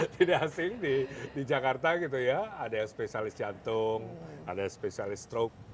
tidak asing di jakarta gitu ya ada yang spesialis jantung ada yang spesialis stroke